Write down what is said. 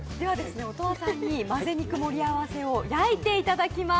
音羽さんに、まぜ肉盛り合わせを焼いていただきます。